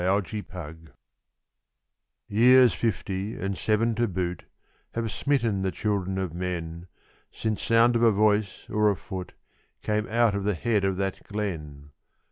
Cooranbean Years fifty, and seven to boot, have smitten the children of men Since sound of a voice or a foot came out of the head of that glen.